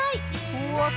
うわ！